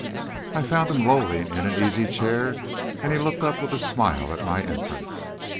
I found him lolling in an easy chair, and he looked up with a smile at my entrance.